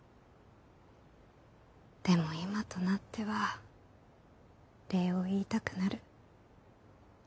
でも今となっては礼を言いたくなる。